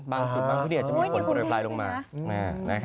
บางจุดบางทุกที่จะมีฝนปลายลงมา